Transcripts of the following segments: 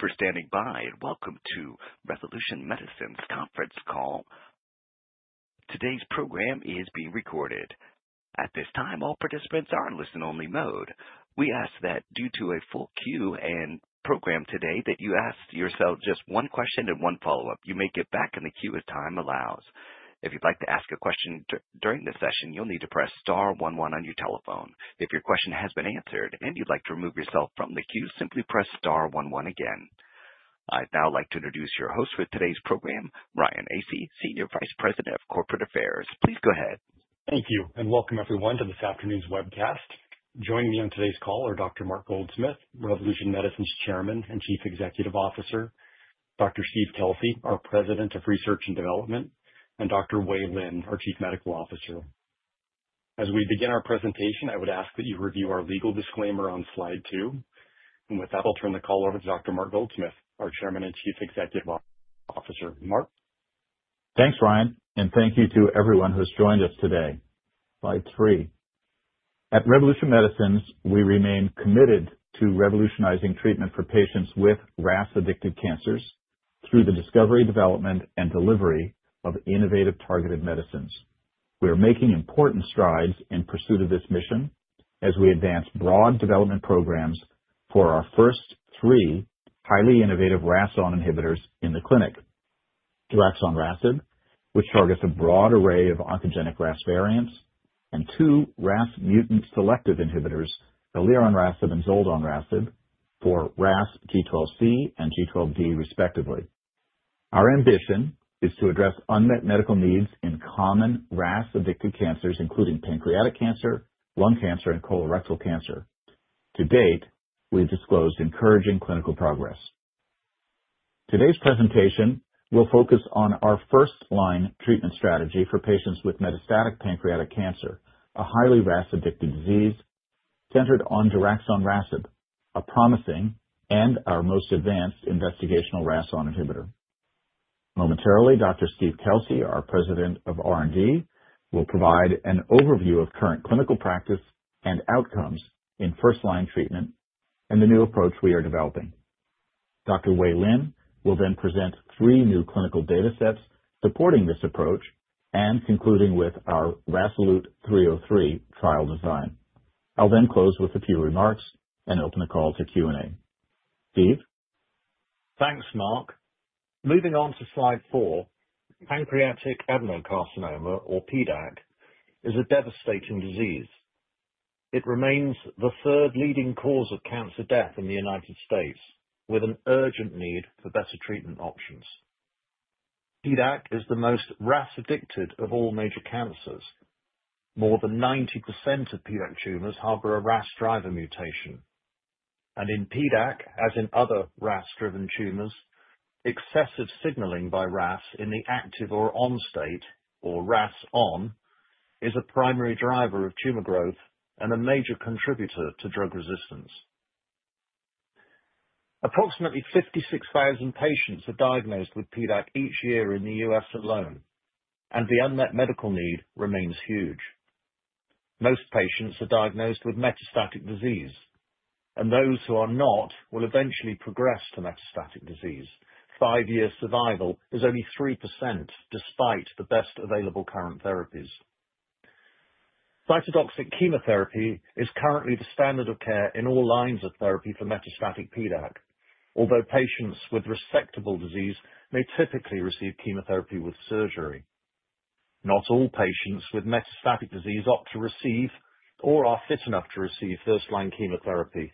Thank you for standing by, and welcome to Revolution Medicines Conference Call. Today's program is being recorded. At this time, all participants are in listen-only mode. We ask that due to a full queue and program today, that you ask yourself just one question and one follow-up. You may get back in the queue as time allows. If you'd like to ask a question during the session, you'll need to press star 11 on your telephone. If your question has been answered and you'd like to remove yourself from the queue, simply press star 11 again. I'd now like to introduce your host for today's program, Ryan Asay, Senior Vice President of Corporate Affairs. Please go ahead. Thank you and welcome everyone to this afternoon's webcast. Joining me on today's call are Dr. Mark Goldsmith, Revolution Medicines Chairman and Chief Executive Officer; Dr. Steve Kelsey, our President of Research and Development; and Dr. Wei Lin, our Chief Medical Officer. As we begin our presentation, I would ask that you review our legal disclaimer on slide 2. And with that, I'll turn the call over to Dr. Mark Goldsmith, our Chairman and Chief Executive Officer. Mark. Thanks, Ryan, and thank you to everyone who's joined us today. Slide 3. At Revolution Medicines, we remain committed to revolutionizing treatment for patients with RAS-addicted cancers through the discovery, development, and delivery of innovative targeted medicines. We are making important strides in pursuit of this mission as we advance broad development programs for our first three highly innovative RAS(ON) inhibitors in the clinic: Daraxonrasib, which targets a broad array of oncogenic RAS variants, and two RAS mutant selective inhibitors, Elironrasib and Zoldonrasib, for RAS G12C and G12D respectively. Our ambition is to address unmet medical needs in common RAS-addicted cancers, including pancreatic cancer, lung cancer, and colorectal cancer. To date, we've disclosed encouraging clinical progress. Today's presentation will focus on our first-line treatment strategy for patients with metastatic pancreatic cancer, a highly RAS-addicted disease, centered on Daraxonrasib, a promising and our most advanced investigational RAS(ON) inhibitor. Momentarily, Dr. Steve Kelsey, our President of R&D, will provide an overview of current clinical practice and outcomes in first-line treatment and the new approach we are developing. Dr. Wei Lin will then present three new clinical data sets supporting this approach and concluding with our RASolute 303 trial design. I'll then close with a few remarks and open the call to Q&A. Steve? Thanks, Mark. Moving on to slide 4, pancreatic adenocarcinoma, or PDAC, is a devastating disease. It remains the third leading cause of cancer death in the United States, with an urgent need for better treatment options. PDAC is the most RAS-addicted of all major cancers. More than 90% of PDAC tumors harbor a RAS driver mutation. And in PDAC, as in other RAS-driven tumors, excessive signaling by RAS in the active or on state, or RAS(ON), is a primary driver of tumor growth and a major contributor to drug resistance. Approximately 56,000 patients are diagnosed with PDAC each year in the U.S. alone, and the unmet medical need remains huge. Most patients are diagnosed with metastatic disease, and those who are not will eventually progress to metastatic disease. Five-year survival is only 3% despite the best available current therapies. Cytotoxic chemotherapy is currently the standard of care in all lines of therapy for metastatic PDAC, although patients with resectable disease may typically receive chemotherapy with surgery. Not all patients with metastatic disease opt to receive or are fit enough to receive first-line chemotherapy,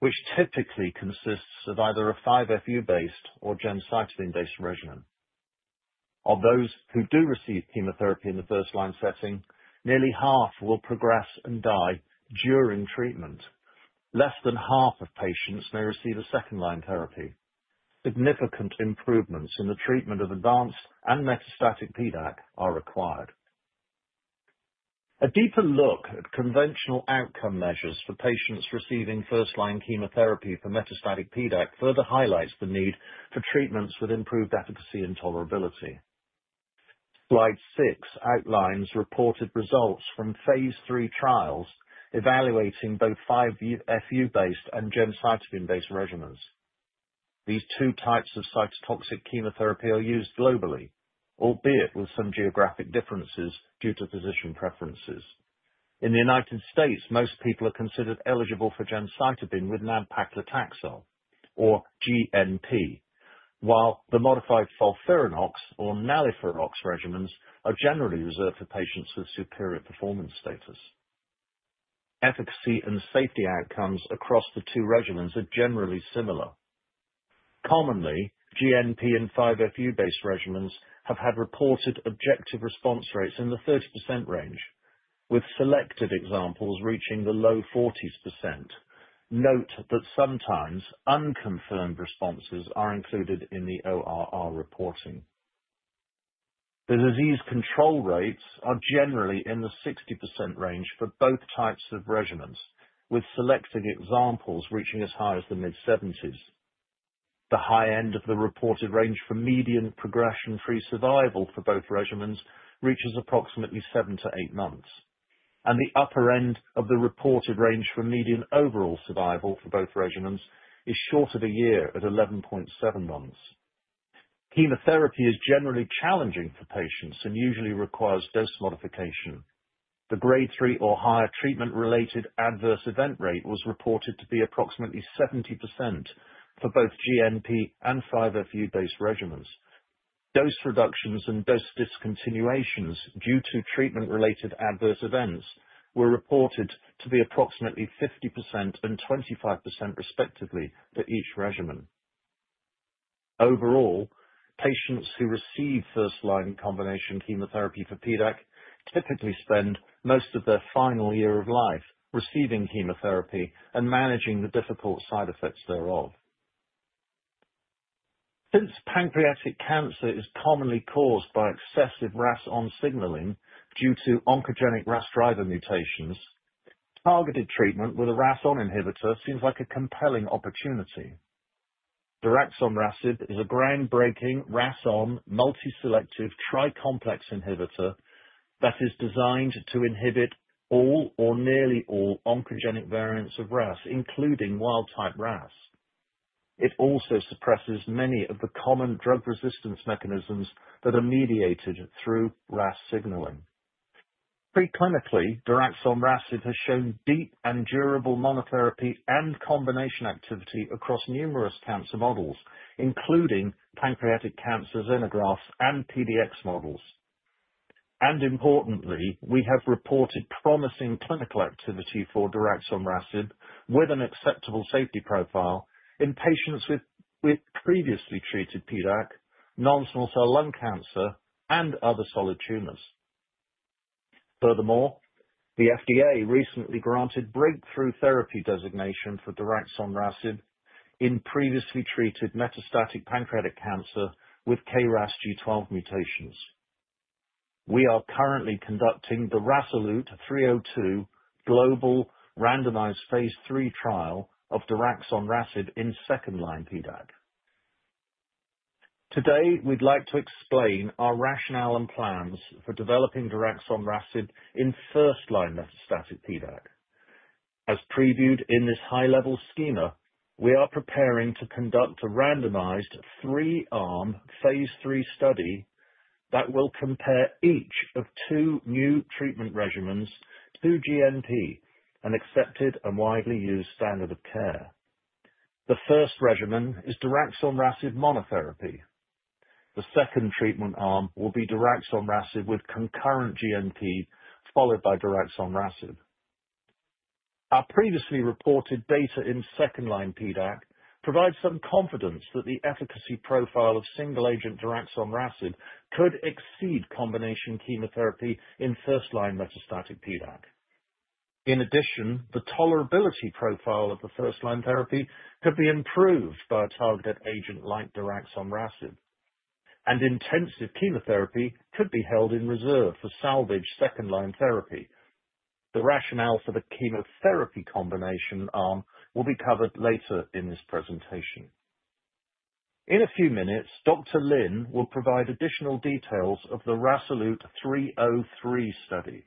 which typically consists of either a 5-FU-based or gemcitabine-based regimen. Of those who do receive chemotherapy in the first-line setting, nearly half will progress and die during treatment. Less than half of patients may receive a second-line therapy. Significant improvements in the treatment of advanced and metastatic PDAC are required. A deeper look at conventional outcome measures for patients receiving first-line chemotherapy for metastatic PDAC further highlights the need for treatments with improved efficacy and tolerability. Slide 6 outlines reported results from phase III trials evaluating both 5-FU-based and gemcitabine-based regimens. These two types of cytotoxic chemotherapy are used globally, albeit with some geographic differences due to physician preferences. In the United States, most people are considered eligible for gemcitabine with nab-paclitaxel, or GnP, while the modified FOLFIRINOX or NALIRIFOX regimens are generally reserved for patients with superior performance status. Efficacy and safety outcomes across the two regimens are generally similar. Commonly, GnP and 5-FU-based regimens have had reported objective response rates in the 30% range, with selected examples reaching the low 40%. Note that sometimes unconfirmed responses are included in the ORR reporting. The disease control rates are generally in the 60% range for both types of regimens, with selected examples reaching as high as the mid-70s. The high end of the reported range for median progression-free survival for both regimens reaches approximately seven to eight months, and the upper end of the reported range for median overall survival for both regimens is short of a year at 11.7 months. Chemotherapy is generally challenging for patients and usually requires dose modification. The Grade 3 or higher treatment-related adverse event rate was reported to be approximately 70% for both GnP and 5-FU-based regimens. Dose reductions and dose discontinuations due to treatment-related adverse events were reported to be approximately 50% and 25% respectively for each regimen. Overall, patients who receive first-line combination chemotherapy for PDAC typically spend most of their final year of life receiving chemotherapy and managing the difficult side effects thereof. Since pancreatic cancer is commonly caused by excessive RAS(ON) signaling due to oncogenic RAS driver mutations, targeted treatment with a RAS(ON) inhibitor seems like a compelling opportunity. Daraxonrasib is a groundbreaking RAS(ON) multi-selective tri-complex inhibitor that is designed to inhibit all or nearly all oncogenic variants of RAS, including wild-type RAS. It also suppresses many of the common drug resistance mechanisms that are mediated through RAS signaling. Pre-clinically, Daraxonrasib has shown deep and durable monotherapy and combination activity across numerous cancer models, including pancreatic cancer xenografts and PDX models. And importantly, we have reported promising clinical activity for Daraxonrasib with an acceptable safety profile in patients with previously treated PDAC, non-small cell lung cancer, and other solid tumors. Furthermore, the FDA recently granted breakthrough therapy designation for Daraxonrasib in previously treated metastatic pancreatic cancer with KRAS G12 mutations. We are currently conducting the RASolute 302 global randomized phase III trial of Daraxonrasib in second-line PDAC. Today, we'd like to explain our rationale and plans for developing Daraxonrasib in first-line metastatic PDAC. As previewed in this high-level schema, we are preparing to conduct a randomized three-arm phase III study that will compare each of two new treatment regimens to GnP, an accepted and widely used standard of care. The first regimen is Daraxonrasib monotherapy. The second treatment arm will be Daraxonrasib with concurrent GnP, followed by Daraxonrasib. Our previously reported data in second-line PDAC provides some confidence that the efficacy profile of single-agent Daraxonrasib could exceed combination chemotherapy in first-line metastatic PDAC. In addition, the tolerability profile of the first-line therapy could be improved by a targeted agent like Daraxonrasib, and intensive chemotherapy could be held in reserve for salvage second-line therapy. The rationale for the chemotherapy combination arm will be covered later in this presentation. In a few minutes, Dr. Lin will provide additional details of the RASolute 303 study,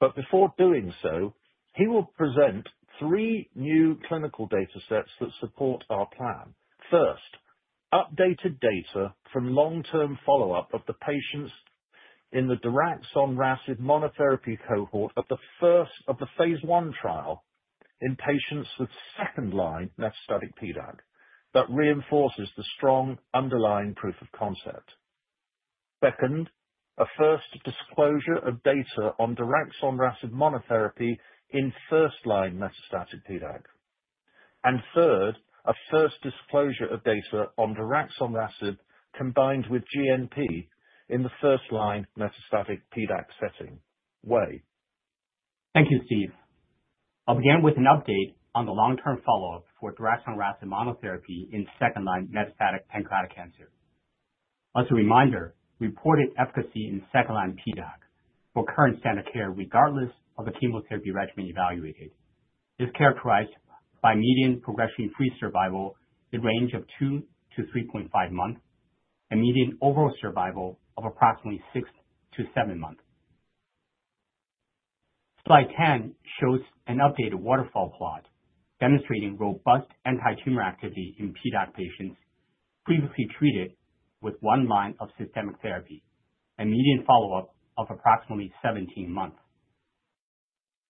but before doing so, he will present three new clinical data sets that support our plan. First, updated data from long-term follow-up of the patients in the Daraxonrasib monotherapy cohort of the phase I trial in patients with second-line metastatic PDAC that reinforces the strong underlying proof of concept. Second, a first disclosure of data on Daraxonrasib monotherapy in first-line metastatic PDAC. And third, a first disclosure of data on Daraxonrasib combined with GnP in the first-line metastatic PDAC setting. Wei? Thank you, Steve. I'll begin with an update on the long-term follow-up for Daraxonrasib monotherapy in second-line metastatic pancreatic cancer. As a reminder, reported efficacy in second-line PDAC for current standard care regardless of the chemotherapy regimen evaluated is characterized by median progression-free survival in the range of 2 to 3.5 months and median overall survival of approximately six to seven months. Slide 10 shows an updated waterfall plot demonstrating robust anti-tumor activity in PDAC patients previously treated with one line of systemic therapy and median follow-up of approximately 17 months.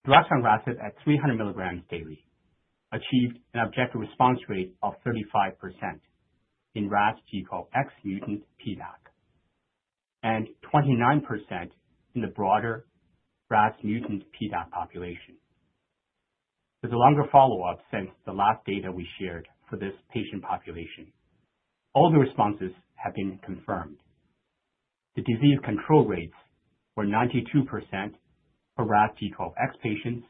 Daraxonrasib at 300 milligrams daily achieved an objective response rate of 35% in RAS G12X mutant PDAC and 29% in the broader RAS mutant PDAC population. There's a longer follow-up since the last data we shared for this patient population. All the responses have been confirmed. The disease control rates were 92% for RAS G12X patients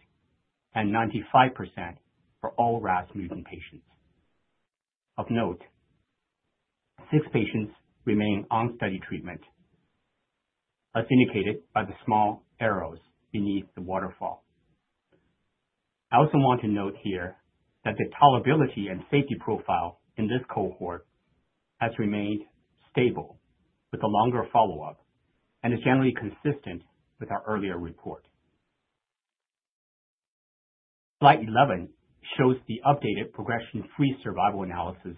and 95% for all RAS mutant patients. Of note, six patients remain on study treatment, as indicated by the small arrows beneath the waterfall. I also want to note here that the tolerability and safety profile in this cohort has remained stable with a longer follow-up and is generally consistent with our earlier report. Slide 11 shows the updated progression-free survival analysis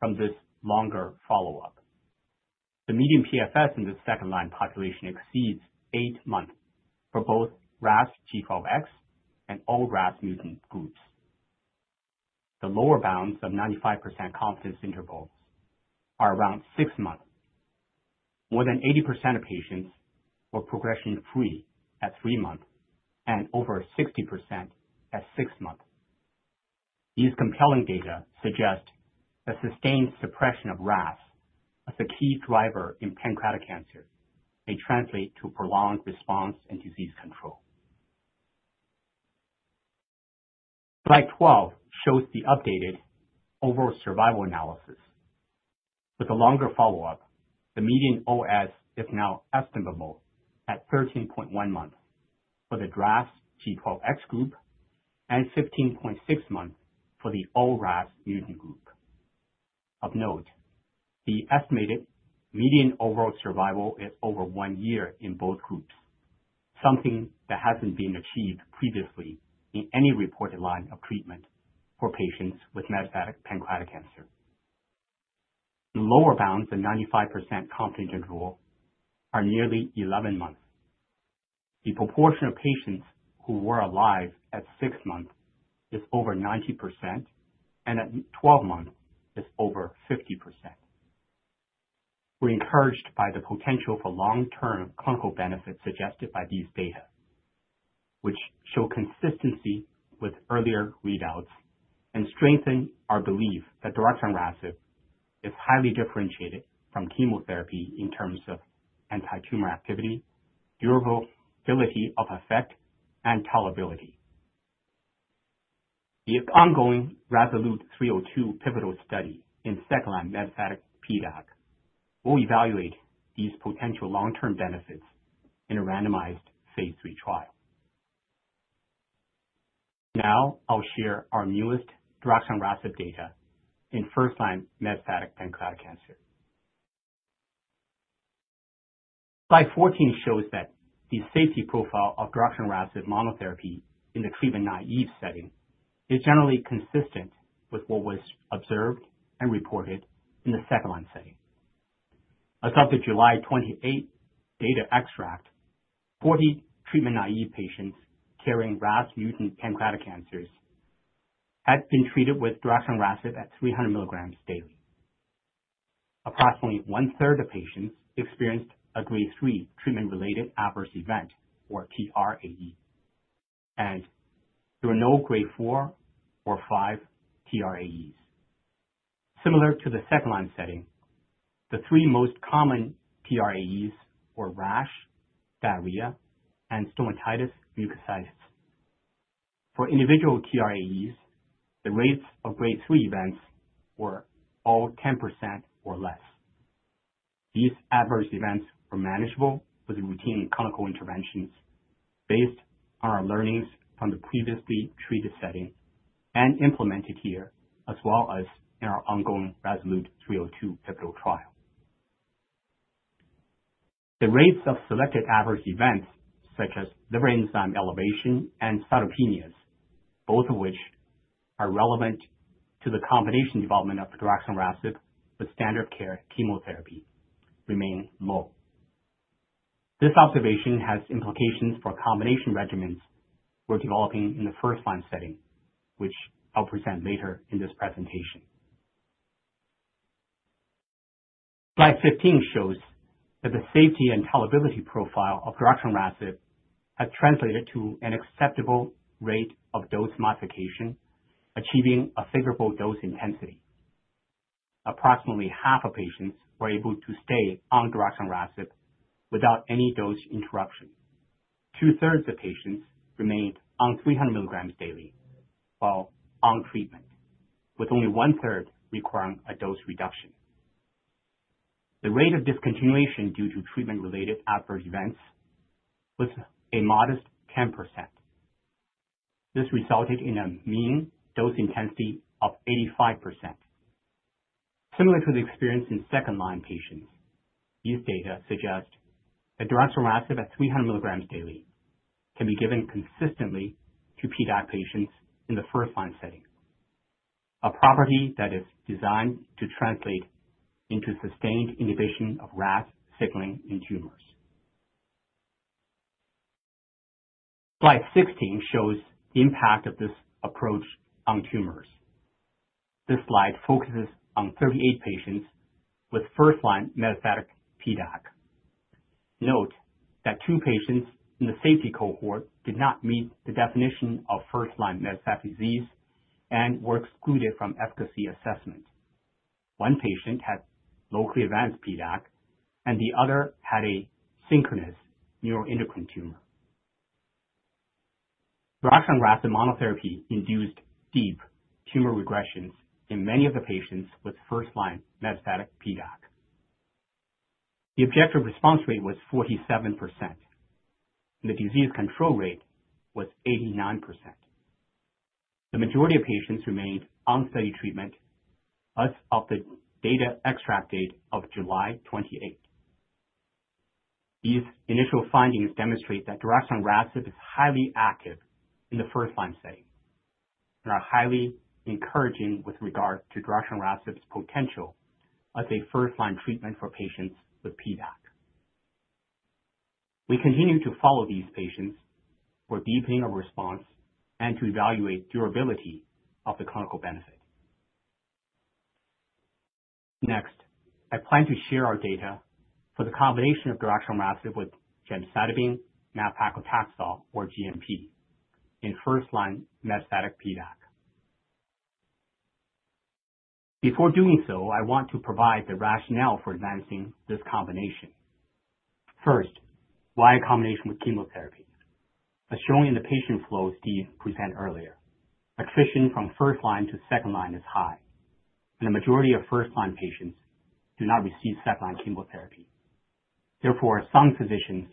from this longer follow-up. The median PFS in the second-line population exceeds eight months for both RAS G12X and all RAS mutant groups. The lower bounds of 95% confidence intervals are around six months. More than 80% of patients were progression-free at three months and over 60% at six months. These compelling data suggest a sustained suppression of RAS as a key driver in pancreatic cancer may translate to prolonged response and disease control. Slide 12 shows the updated overall survival analysis. With a longer follow-up, the median OS is now estimable at 13.1 months for the KRAS G12X group and 15.6 months for the all RAS mutant group. Of note, the estimated median overall survival is over one year in both groups, something that hasn't been achieved previously in any reported line of treatment for patients with metastatic pancreatic cancer. The lower bounds of 95% confidence interval are nearly 11 months. The proportion of patients who were alive at six months is over 90%, and at 12 months is over 50%. We're encouraged by the potential for long-term clinical benefits suggested by these data, which show consistency with earlier readouts and strengthen our belief that Daraxonrasib is highly differentiated from chemotherapy in terms of anti-tumor activity, durability of effect, and tolerability. The ongoing RASolute 302 pivotal study in second-line metastatic PDAC will evaluate these potential long-term benefits in a randomized phase III. Now, I'll share our newest Daraxonrasib data in first-line metastatic pancreatic cancer. Slide 14 shows that the safety profile of Daraxonrasib monotherapy in the treatment naive setting is generally consistent with what was observed and reported in the second-line setting. As of the July 28th data extract, 40 treatment naive patients carrying RAS mutant pancreatic cancers had been treated with Daraxonrasib at 300 milligrams daily. Approximately 1/3 of patients experienced a grade three treatment-related adverse event, or TRAE, and there were no grade four or five TRAEs. Similar to the second-line setting, the three most common TRAEs were rash, diarrhea, and stomatitis mucositis. For individual TRAEs, the rates of grade three events were all 10% or less. These adverse events were manageable with routine clinical interventions based on our learnings from the previously treated setting and implemented here, as well as in our ongoing RASolute 302 pivotal trial. The rates of selected adverse events, such as liver enzyme elevation and cytopenias, both of which are relevant to the combination development of Daraxonrasib with standard care chemotherapy, remain low. This observation has implications for combination regimens we're developing in the first-line setting, which I'll present later in this presentation. Slide 15 shows that the safety and tolerability profile of Daraxonrasib has translated to an acceptable rate of dose modification, achieving a favorable dose intensity. Approximately half of patients were able to stay on Daraxonrasib without any dose interruption. 2/3 of patients remained on 300 milligrams daily while on treatment, with only 1/3 requiring a dose reduction. The rate of discontinuation due to treatment-related adverse events was a modest 10%. This resulted in a mean dose intensity of 85%. Similar to the experience in second-line patients, these data suggest that Daraxonrasib at 300 milligrams daily can be given consistently to PDAC patients in the first-line setting, a property that is designed to translate into sustained inhibition of RAS signaling in tumors. Slide 16 shows the impact of this approach on tumors. This slide focuses on 38 patients with first-line metastatic PDAC. Note that two patients in the safety cohort did not meet the definition of first-line metastatic disease and were excluded from efficacy assessment. One patient had locally advanced PDAC, and the other had a synchronous neuroendocrine tumor. Daraxonrasib monotherapy induced deep tumor regressions in many of the patients with first-line metastatic PDAC. The objective response rate was 47%, and the disease control rate was 89%. The majority of patients remained on study treatment as of the data extract date of July 28th. These initial findings demonstrate that Daraxonrasib is highly active in the first-line setting and are highly encouraging with regard to Daraxonrasib's potential as a first-line treatment for patients with PDAC. We continue to follow these patients for deepening of response and to evaluate durability of the clinical benefit. Next, I plan to share our data for the combination of Daraxonrasib with gemcitabine, nab-paclitaxel, or GnP in first-line metastatic PDAC. Before doing so, I want to provide the rationale for advancing this combination. First, why a combination with chemotherapy? As shown in the patient flows Steve presented earlier, attrition from first-line to second-line is high, and the majority of first-line patients do not receive second-line chemotherapy. Therefore, some physicians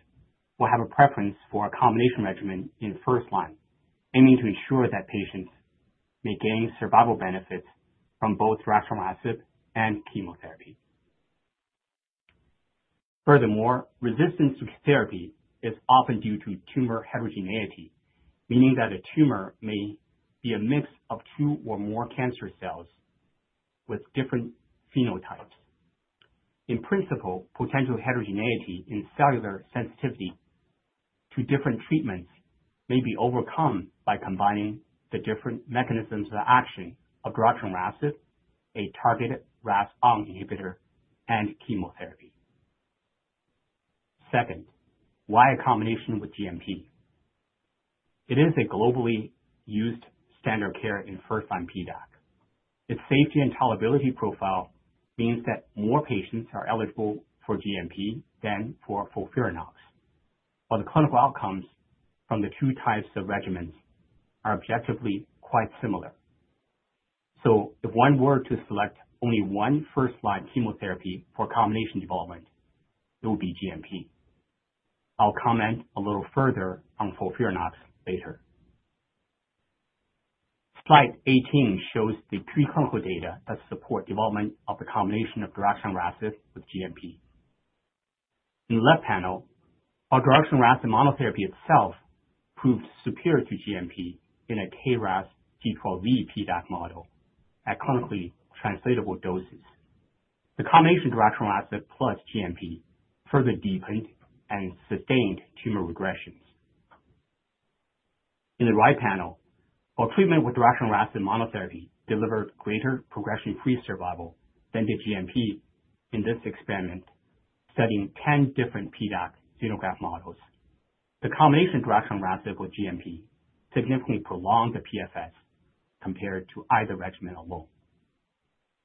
will have a preference for a combination regimen in first-line, aiming to ensure that patients may gain survival benefits from both Daraxonrasib and chemotherapy. Furthermore, resistance to therapy is often due to tumor heterogeneity, meaning that a tumor may be a mix of two or more cancer cells with different phenotypes. In principle, potential heterogeneity in cellular sensitivity to different treatments may be overcome by combining the different mechanisms of action of Daraxonrasib, a targeted RAS(ON) inhibitor, and chemotherapy. Second, why a combination with GnP? It is a globally used standard care in first-line PDAC. Its safety and tolerability profile means that more patients are eligible for GnP than for FOLFIRINOX, while the clinical outcomes from the two types of regimens are objectively quite similar. So if one were to select only one first-line chemotherapy for combination development, it would be GnP. I'll comment a little further on FOLFIRINOX later. Slide 18 shows the pre-clinical data that support development of the combination of Daraxonrasib with GnP. In the left panel, while Daraxonrasib monotherapy itself proved superior to GnP in a KRAS G12V PDAC model at clinically translatable doses, the combination Daraxonrasib plus GnP further deepened and sustained tumor regressions. In the right panel, while treatment with Daraxonrasib monotherapy delivered greater progression-free survival than did GnP in this experiment studying 10 different PDAC xenograft models, the combination Daraxonrasib with GnP significantly prolonged the PFS compared to either regimen alone.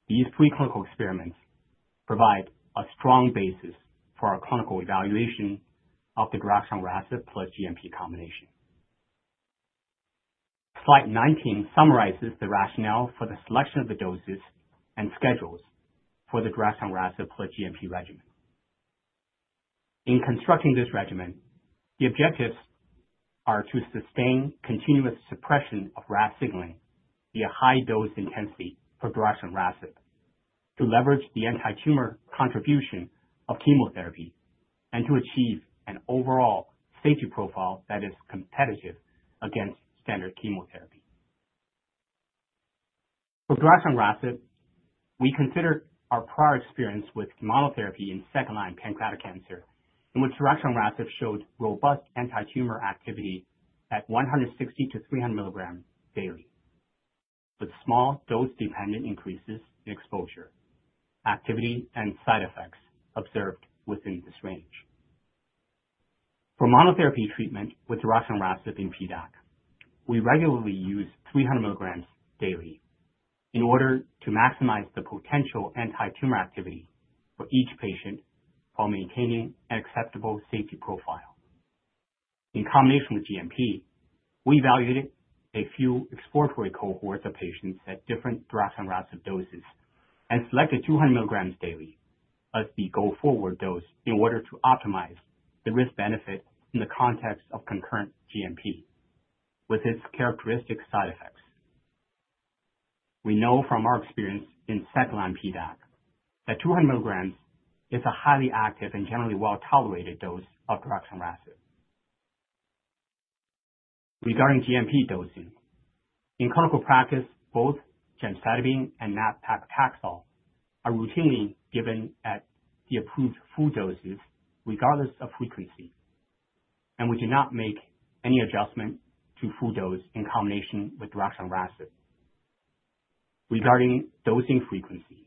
These pre-clinical experiments provide a strong basis for our clinical evaluation of the Daraxonrasib plus GnP combination. Slide 19 summarizes the rationale for the selection of the doses and schedules for the Daraxonrasib plus GnP regimen. In constructing this regimen, the objectives are to sustain continuous suppression of RAS signaling via high dose intensity for Daraxonrasib, to leverage the anti-tumor contribution of chemotherapy, and to achieve an overall safety profile that is competitive against standard chemotherapy. For Daraxonrasib, we consider our prior experience with monotherapy in second-line pancreatic cancer, in which Daraxonrasib showed robust anti-tumor activity at 160 to 300 milligrams daily, with small dose-dependent increases in exposure, activity, and side effects observed within this range. For monotherapy treatment with Daraxonrasib in PDAC, we regularly use 300 milligrams daily in order to maximize the potential anti-tumor activity for each patient while maintaining an acceptable safety profile. In combination with GnP, we evaluated a few exploratory cohorts of patients at different Daraxonrasib doses and selected 200 milligrams daily as the go-forward dose in order to optimize the risk-benefit in the context of concurrent GnP with its characteristic side effects. We know from our experience in second-line PDAC that 200 milligrams is a highly active and generally well-tolerated dose of Daraxonrasib. Regarding GnP dosing, in clinical practice, both gemcitabine and nab-paclitaxel are routinely given at the approved full doses regardless of frequency, and we do not make any adjustment to full dose in combination with Daraxonrasib. Regarding dosing frequency,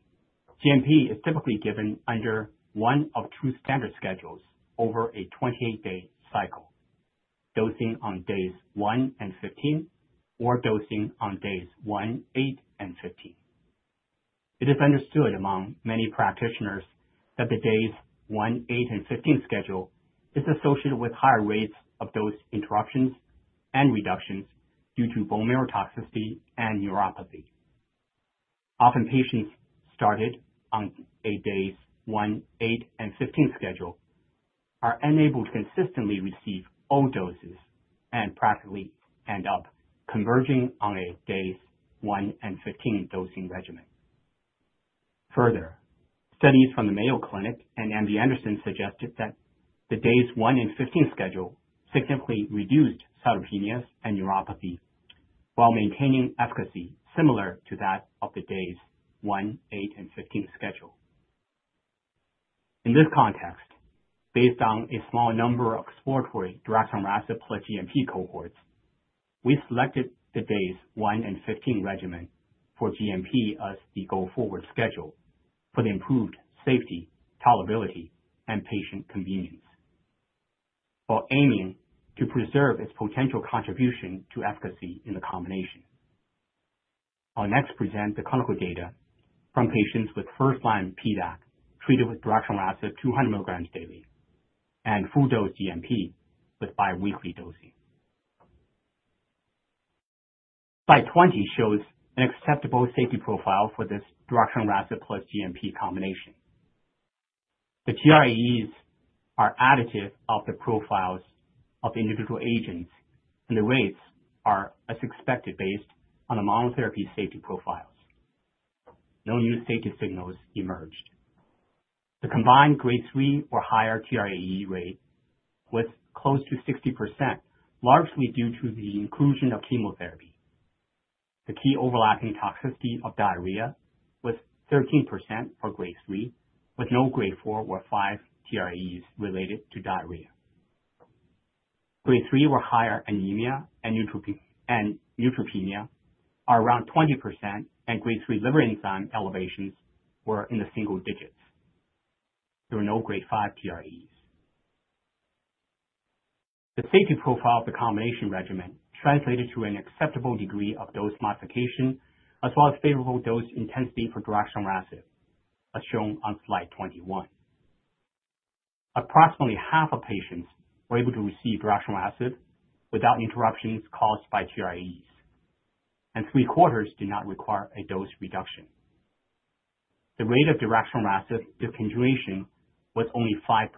GnP is typically given under one of two standard schedules over a 28-day cycle: dosing on days 1 and 15, or dosing on days 1, 8, and 15. It is understood among many practitioners that the days 1, 8, and 15 schedule is associated with higher rates of dose interruptions and reductions due to bone marrow toxicity and neuropathy. Often, patients started on a days 1, 8, and 15 schedule are unable to consistently receive all doses and practically end up converging on a days 1 and 15 dosing regimen. Further, studies from the Mayo Clinic and MD Anderson suggested that the days 1 and 15 schedule significantly reduced cytopenias and neuropathy while maintaining efficacy similar to that of the days 1, 8, and 15 schedule. In this context, based on a small number of exploratory Daraxonrasib plus GnP cohorts, we selected the days 1 and 15 regimen for GnP as the go-forward schedule for the improved safety, tolerability, and patient convenience, while aiming to preserve its potential contribution to efficacy in the combination. I'll next present the clinical data from patients with first-line PDAC treated with Daraxonrasib 200 milligrams daily and full-dose GnP with biweekly dosing. Slide 20 shows an acceptable safety profile for this Daraxonrasib plus GnP combination. The TRAEs are additive of the profiles of individual agents, and the rates are as expected based on the monotherapy safety profiles. No new safety signals emerged. The combined grade three or higher TRAE rate was close to 60%, largely due to the inclusion of chemotherapy. The key overlapping toxicity of diarrhea was 13% for grade three, with no grade four or five TRAEs related to diarrhea. Grade three or higher anemia and neutropenia are around 20%, and grade three liver enzyme elevations were in the single digits. There were no grade five TRAEs. The safety profile of the combination regimen translated to an acceptable degree of dose modification, as well as favorable dose intensity for Daraxonrasib, as shown on slide 21. Approximately half of patients were able to receive Daraxonrasib without interruptions caused by TRAEs, and three-quarters did not require a dose reduction. The rate of Daraxonrasib discontinuation was only 5%.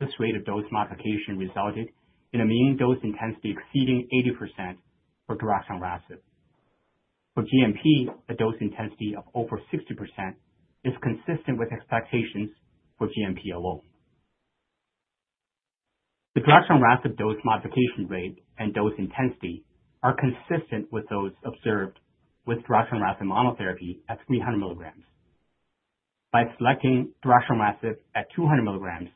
This rate of dose modification resulted in a mean dose intensity exceeding 80% for Daraxonrasib. For GnP, a dose intensity of over 60% is consistent with expectations for GnP alone. The Daraxonrasib dose modification rate and dose intensity are consistent with those observed with Daraxonrasib monotherapy at 300 milligrams. By selecting Daraxonrasib at 200 milligrams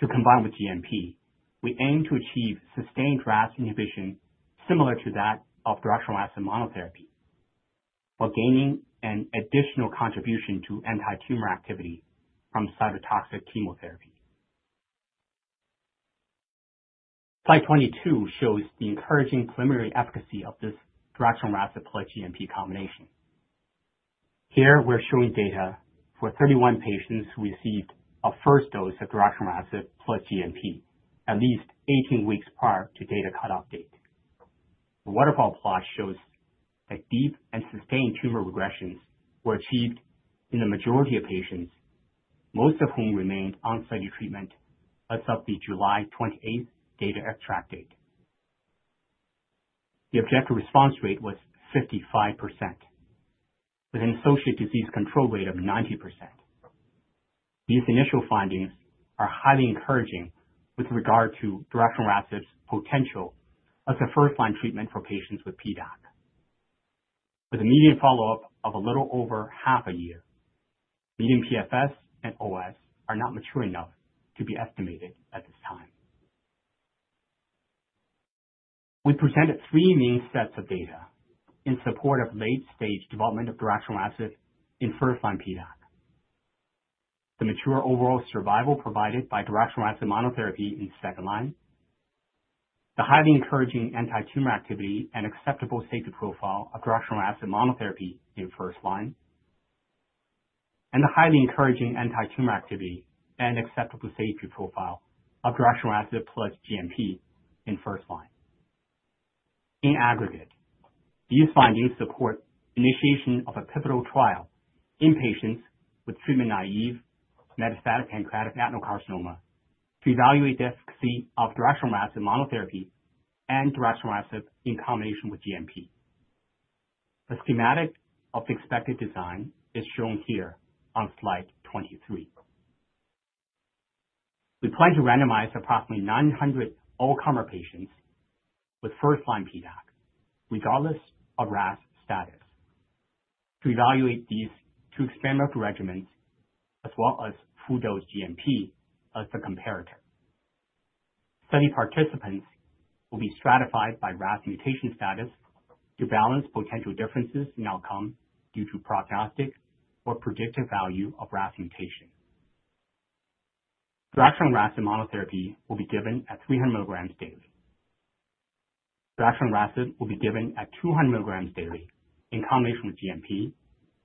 to combine with GnP, we aim to achieve sustained RAS inhibition similar to that of Daraxonrasib monotherapy while gaining an additional contribution to anti-tumor activity from cytotoxic chemotherapy. Slide 22 shows the encouraging preliminary efficacy of this Daraxonrasib plus GnP combination. Here, we're showing data for 31 patients who received a first dose of Daraxonrasib plus GnP at least 18 weeks prior to data cutoff date. The waterfall plot shows that deep and sustained tumor regressions were achieved in the majority of patients, most of whom remained on study treatment as of the July 28th data extract date. The objective response rate was 55%, with an associated disease control rate of 90%. These initial findings are highly encouraging with regard to Daraxonrasib's potential as a first-line treatment for patients with PDAC. With a median follow-up of a little over half a year, median PFS and OS are not mature enough to be estimated at this time. We presented three main sets of data in support of late-stage development of Daraxonrasib in first-line PDAC: the mature overall survival provided by Daraxonrasib monotherapy in second-line, the highly encouraging anti-tumor activity and acceptable safety profile of Daraxonrasib monotherapy in first-line, and the highly encouraging anti-tumor activity and acceptable safety profile of Daraxonrasib plus GnP in first-line. In aggregate, these findings support initiation of a pivotal trial in patients with treatment naive metastatic pancreatic adenocarcinoma to evaluate the efficacy of Daraxonrasib monotherapy and Daraxonrasib in combination with GnP. A schematic of the expected design is shown here on slide 23. We plan to randomize approximately 900 all-comer patients with first-line PDAC, regardless of RAS status, to evaluate these two experimental regimens as well as full-dose GnP as the comparator. Study participants will be stratified by RAS mutation status to balance potential differences in outcome due to prognostic or predictive value of RAS mutation. Daraxonrasib monotherapy will be given at 300 milligrams daily. Daraxonrasib will be given at 200 milligrams daily in combination with GnP,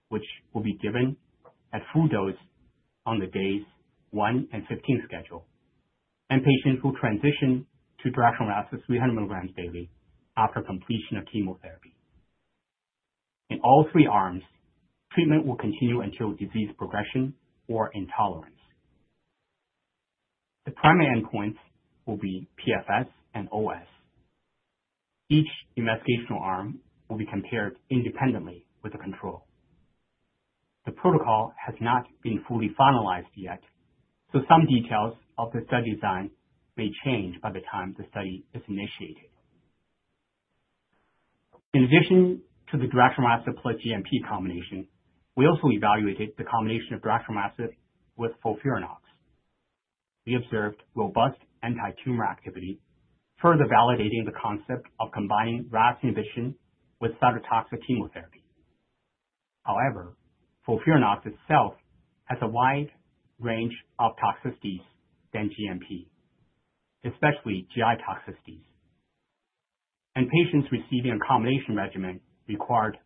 which will be given at full dose on the days 1 and 15 schedule, and patients will transition to Daraxonrasib 300 milligrams daily after completion of chemotherapy. In all three arms, treatment will continue until disease progression or intolerance. The primary endpoints will be PFS and OS. Each investigational arm will be compared independently with a control. The protocol has not been fully finalized yet, so some details of the study design may change by the time the study is initiated. In addition to the Daraxonrasib plus GnP combination, we also evaluated the combination of Daraxonrasib with FOLFIRINOX. We observed robust anti-tumor activity, further validating the concept of combining RAS inhibition with cytotoxic chemotherapy. However, FOLFIRINOX itself has a wide range of toxicities than GnP, especially GI toxicities, and patients receiving a combination regimen required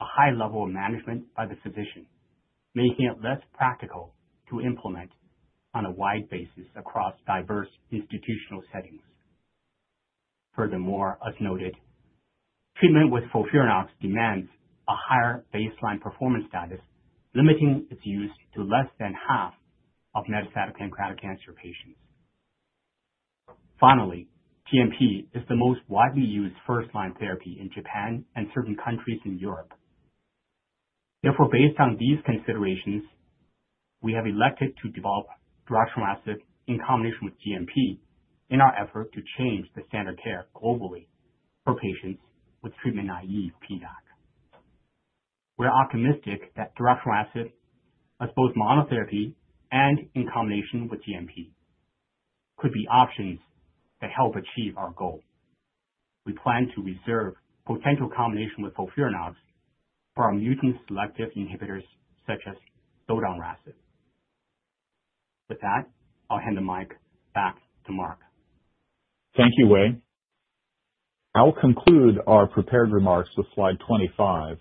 a high level of management by the physician, making it less practical to implement on a wide basis across diverse institutional settings. Furthermore, as noted, treatment with FOLFIRINOX demands a higher baseline performance status, limiting its use to less than half of metastatic pancreatic cancer patients. Finally, GnP is the most widely used first-line therapy in Japan and certain countries in Europe. Therefore, based on these considerations, we have elected to develop Daraxonrasib in combination with GnP in our effort to change the standard care globally for patients with treatment naive PDAC. We're optimistic that Daraxonrasib, as both monotherapy and in combination with GnP, could be options that help achieve our goal. We plan to reserve potential combination with FOLFIRINOX for our mutant selective inhibitors such as Zoldonrasib. With that, I'll hand the mic back to Mark. Thank you, Wei. I'll conclude our prepared remarks with slide 25,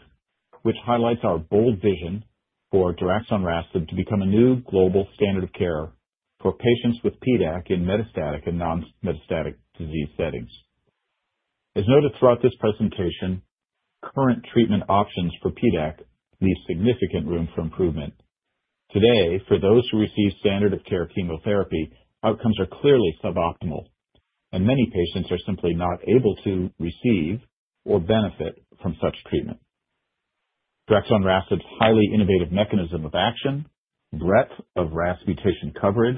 which highlights our bold vision for Daraxonrasib to become a new global standard of care for patients with PDAC in metastatic and non-metastatic disease settings. As noted throughout this presentation, current treatment options for PDAC leave significant room for improvement. Today, for those who receive standard of care chemotherapy, outcomes are clearly suboptimal, and many patients are simply not able to receive or benefit from such treatment. Daraxonrasib's highly innovative mechanism of action, breadth of RAS mutation coverage,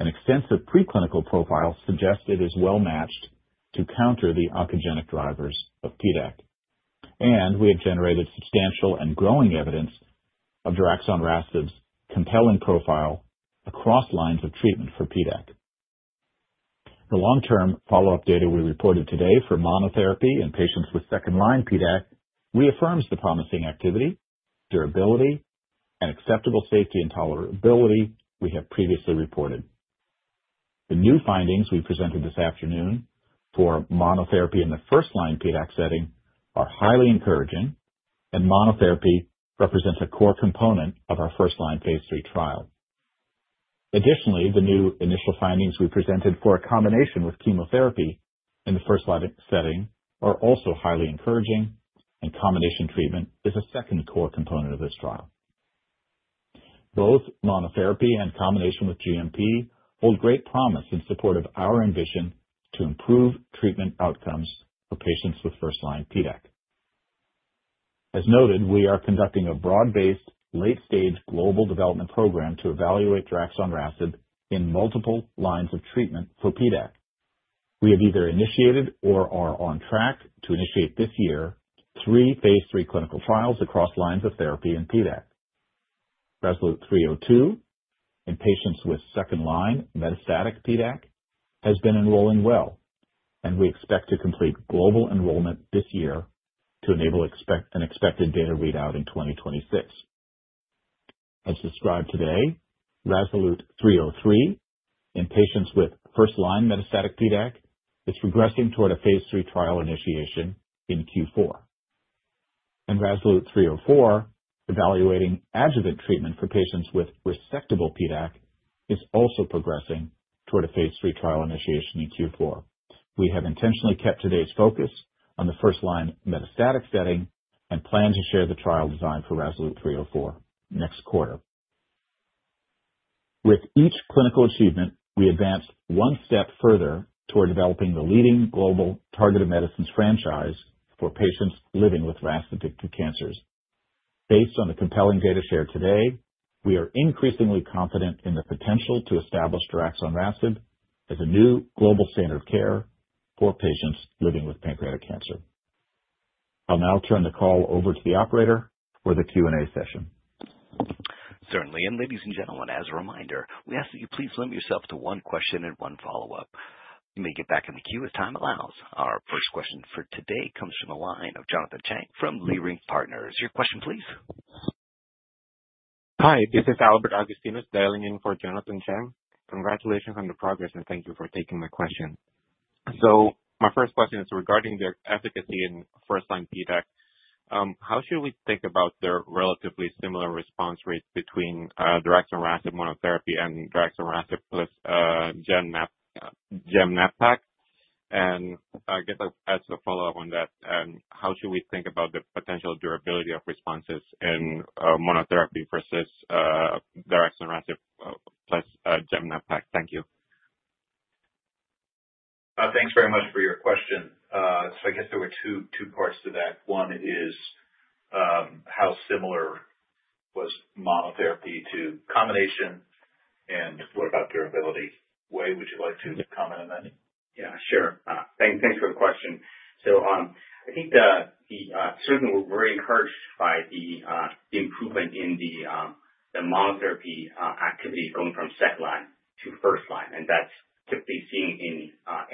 and extensive preclinical profile suggest it is well-matched to counter the oncogenic drivers of PDAC, and we have generated substantial and growing evidence of Daraxonrasib's compelling profile across lines of treatment for PDAC. The long-term follow-up data we reported today for monotherapy in patients with second-line PDAC reaffirms the promising activity, durability, and acceptable safety and tolerability we have previously reported. The new findings we presented this afternoon for monotherapy in the first-line PDAC setting are highly encouraging, and monotherapy represents a core component of our first-line phase III trial. Additionally, the new initial findings we presented for a combination with chemotherapy in the first-line setting are also highly encouraging, and combination treatment is a second core component of this trial. Both monotherapy and combination with GnP hold great promise in support of our ambition to improve treatment outcomes for patients with first-line PDAC. As noted, we are conducting a broad-based late-stage global development program to evaluate Daraxonrasib in multiple lines of treatment for PDAC. We have either initiated or are on track to initiate this year three phase III clinical trials across lines of therapy in PDAC. RASolute 302 in patients with second-line metastatic PDAC has been enrolling well, and we expect to complete global enrollment this year to enable an expected data readout in 2026. As described today, RASolute 303 in patients with first-line metastatic PDAC is progressing toward a phase III trial initiation in Q4, and RASolute 304, evaluating adjuvant treatment for patients with resectable PDAC, is also progressing toward a phase III trial initiation in Q4. We have intentionally kept today's focus on the first-line metastatic setting and plan to share the trial design for RASolute 304 next quarter. With each clinical achievement, we advanced one step further toward developing the leading global targeted medicines franchise for patients living with RAS-induced cancers. Based on the compelling data shared today, we are increasingly confident in the potential to establish Daraxonrasib as a new global standard of care for patients living with pancreatic cancer. I'll now turn the call over to the operator for the Q&A session. Certainly. Ladies and gentlemen, as a reminder, we ask that you please limit yourself to one question and one follow-up. You may get back in the queue as time allows. Our first question for today comes from the line of Jonathan Chang from Leerink Partners. Your question, please. Hi. This is Albert Agustinus dialing in for Jonathan Chang. Congratulations on the progress, and thank you for taking my question. My first question is regarding the efficacy in first-line PDAC. How should we think about the relatively similar response rates between Daraxonrasib monotherapy and Daraxonrasib plus gem-nab-pac? I guess I'll ask a follow-up on that. How should we think about the potential durability of responses in monotherapy versus Daraxonrasib plus gem-nab-pac? Thank you. Thanks very much for your question. I guess there were two parts to that. One is how similar was monotherapy to combination, and what about durability? Wei, would you like to comment on that? Yeah, sure. Thanks for the question. I think that certainly we're encouraged by the improvement in the monotherapy activity going from second-line to first-line. That's typically seen in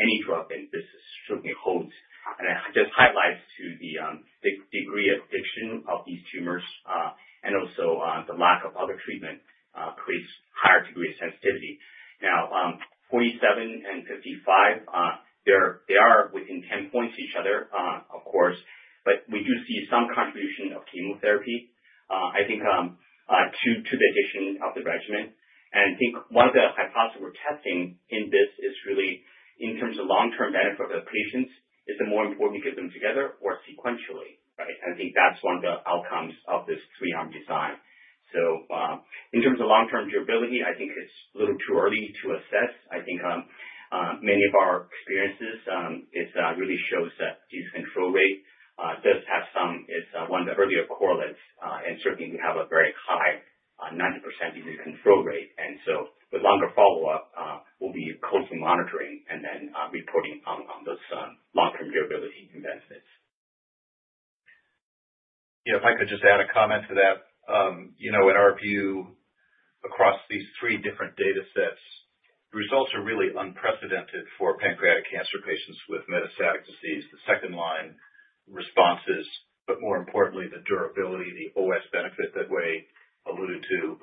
any drug, and this certainly holds. It just highlights the degree of addiction of these tumors, and also the lack of other treatment creates a higher degree of sensitivity. Now, 47 and 55, they are within 10 points of each other, of course, but we do see some contribution of chemotherapy, I think, to the addition of the regimen. And I think one of the hypotheses we're testing in this is really in terms of long-term benefit for the patients, is it more important to get them together or sequentially, right? And I think that's one of the outcomes of this three-arm design. So in terms of long-term durability, I think it's a little too early to assess. I think many of our experiences really show that disease control rate does have some. It's one of the earlier correlates. And certainly, we have a very high 90% disease control rate. And so with longer follow-up, we'll be closely monitoring and then reporting on those long-term durability investments. If I could just add a comment to that, in our view across these three different data sets, the results are really unprecedented for pancreatic cancer patients with metastatic disease, the second-line responses, but more importantly, the durability, the OS benefit that Wei alluded to,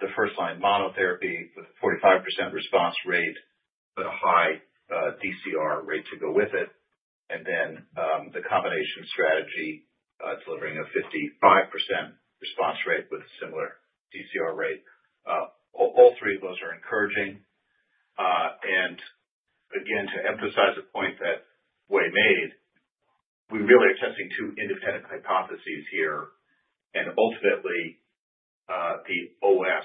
the first-line monotherapy with a 45% response rate, but a high DCR rate to go with it, and then the combination strategy delivering a 55% response rate with a similar DCR rate. All three of those are encouraging. And again, to emphasize the point that Wei made, we really are testing two independent hypotheses here. And ultimately, the OS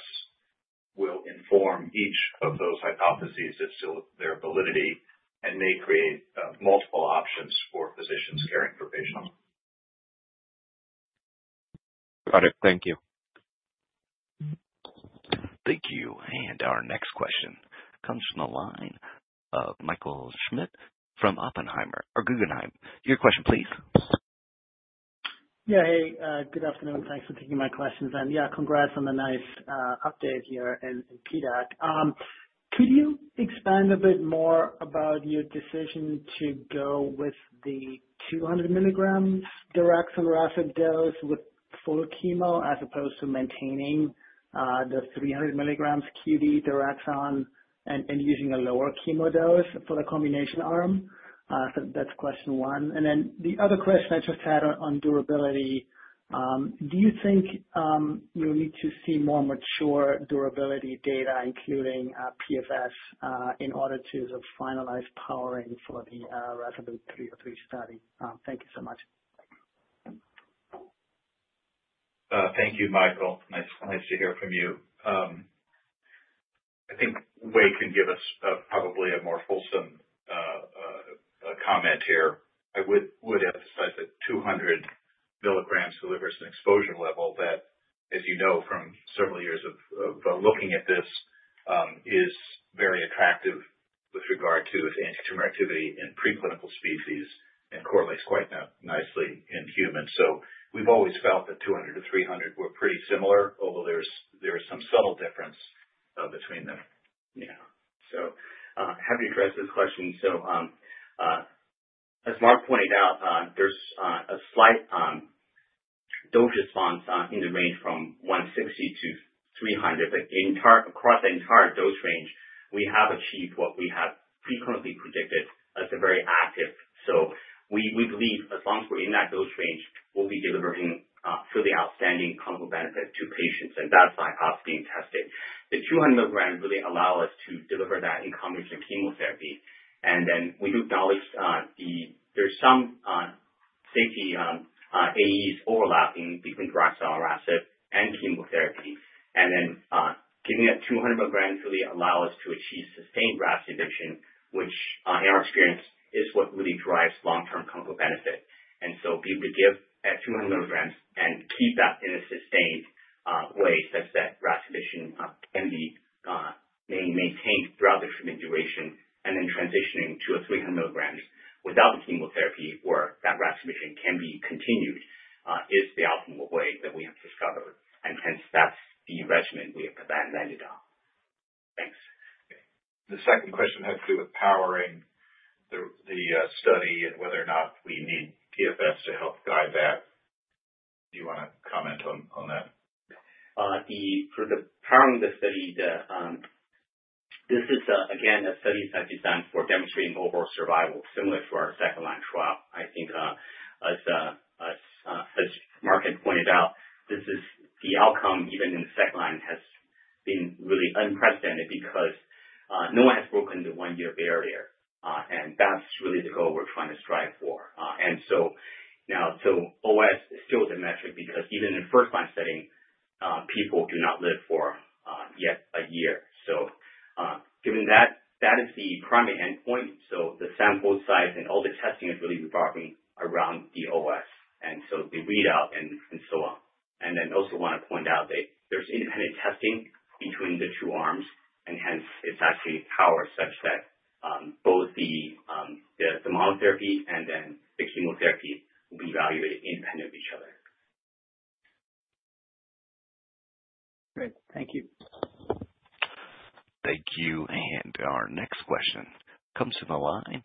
will inform each of those hypotheses of their validity and may create multiple options for physicians caring for patients. Got it. Thank you. Thank you. And our next question comes from the line of Michael Schmidt from Oppenheimer or Guggenheim. Your question, please. Yeah. Hey, good afternoon. Thanks for taking my question. And yeah, congrats on the nice update here in PDAC. Could you expand a bit more about your decision to go with the 200 milligrams Daraxonrasib dose with full chemo as opposed to maintaining the 300 milligrams QD Daraxon and using a lower chemo dose for the combination arm? So that's question one. And then the other question I just had on durability, do you think you'll need to see more mature durability data, including PFS, in order to finalize powering for the RASolute 303 study? Thank you so much. Thank you, Michael. Nice to hear from you. I think Wei can give us probably a more fulsome comment here. I would emphasize that 200 milligrams delivers an exposure level that, as you know from several years of looking at this, is very attractive with regard to its anti-tumor activity in preclinical species and correlates quite nicely in humans, so we've always felt that 200 to 300 were pretty similar, although there is some subtle difference between them. So I'll have you address this question, so as Mark pointed out, there's a slight dose response in the range from 160 to 300. But across the entire dose range, we have achieved what we have frequently predicted as a very active, so we believe as long as we're in that dose range, we'll be delivering truly outstanding clinical benefit to patients, and that's the hypothesis being tested. The 200 milligrams really allow us to deliver that in combination with chemotherapy. And then we do acknowledge there's some safety issues overlapping between Daraxonrasib and chemotherapy. And then giving it 200 milligrams really allows us to achieve sustained RAS inhibition, which in our experience is what really drives long-term clinical benefit. And so being able to give at 200 milligrams and keep that in a sustained way such that RAS inhibition can be maintained throughout the treatment duration and then transitioning to a 300 milligrams without the chemotherapy or that RAS inhibition can be continued is the optimal way that we have discovered. And hence, that's the regimen we have then landed on. Thanks. The second question had to do with powering the study and whether or not we need PFS to help guide that. Do you want to comment on that? For the powering of the study, this is again a study that's designed for demonstrating overall survival, similar to our second-line trial. I think as Mark had pointed out, the outcome even in the second line has been really unprecedented because no one has broken the one-year barrier. And that's really the goal we're trying to strive for. And so now, so OS is still the metric because even in the first-line setting, people do not live for yet a year. So given that, that is the primary endpoint. So the sample size and all the testing is really revolving around the OS and so the readout and so on. And then also want to point out that there's independent testing between the two arms. And hence, it's actually power such that both the monotherapy and then the chemotherapy will be evaluated independent of each other. Great. Thank you. Thank you. And our next question comes from the line